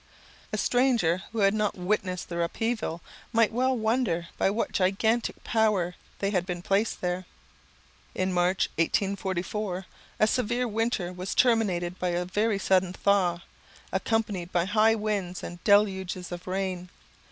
A stranger who had not witnessed their upheaval, might well wonder by what gigantic power they had been placed there. In March, 1844, a severe winter was terminated by a very sudden thaw, accompanied by high winds and deluges of rain.